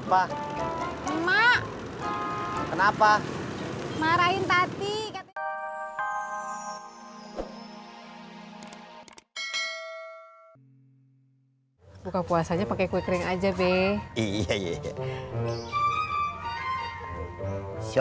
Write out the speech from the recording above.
sampai jumpa di video selanjutnya